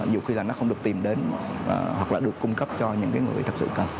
dù khi là nó không được tìm đến hoặc là được cung cấp cho những người thật sự cần